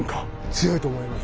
強いと思います。